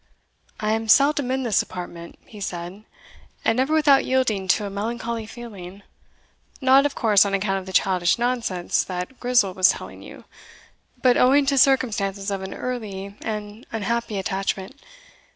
"I am seldom in this apartment," he said, "and never without yielding to a melancholy feeling not, of course, on account of the childish nonsense that Grizel was telling you, but owing to circumstances of an early and unhappy attachment.